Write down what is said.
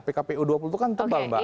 pkpu dua puluh itu kan tebal mbak